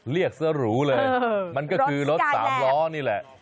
เรียกซะหรูเลยมันก็คือรถสามล้อนี่แหละ